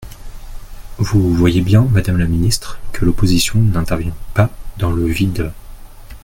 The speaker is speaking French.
Vous voyez bien, madame la ministre, que l’opposition n’intervient pas dans le vide.